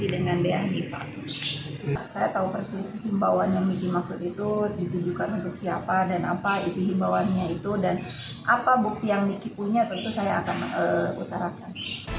dan apa bukti yang nikita punya itu saya akan utarakan